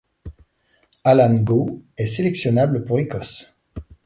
Alan Gow est sélectionnable pour l'Écosse.